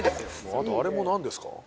あとあれも何ですか？